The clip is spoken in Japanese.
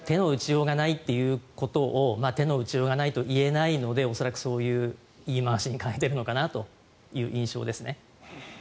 手の打ちようがないということを手の打ちようがないと言えないので恐らく、そういう言い回しに変えているんじゃないかという印象ですね。